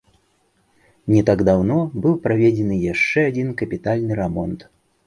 Не так даўно быў праведзены яшчэ адзін капітальны рамонт.